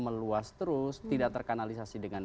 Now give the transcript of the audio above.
meluas terus tidak terkanalisasi dengan